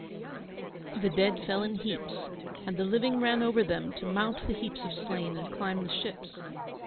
The dead fell in heaps, and the living ran over them to mount the heaps of slain and climb the ships.